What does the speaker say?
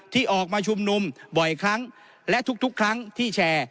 ที่ออกมาชุมนุมบ่อยครั้งและทุกครั้งที่แชร์